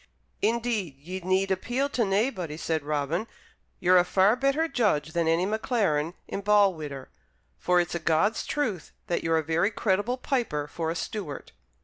"Indeed, ye need appeal to naebody," said Robin. "Ye're a far better judge than any Maclaren in Balwhidder: for it's a God's truth that you're a very creditable piper for a Stewart.